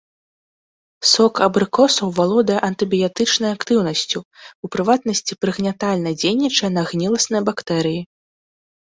Сок абрыкосаў валодае антыбіятычнай актыўнасцю, у прыватнасці, прыгнятальна дзейнічае на гніласныя бактэрыі.